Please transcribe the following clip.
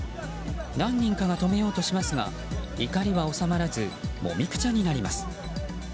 何人かが止めようとしますが怒りは収まらずもみくちゃになります。